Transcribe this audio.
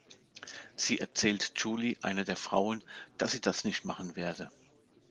Sie erzählt Julie, einer der Frauen, dass sie das nicht machen werde.